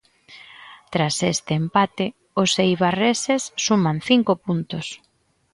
Tras este empate os eibarreses suman cinco puntos.